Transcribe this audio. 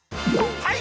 はい！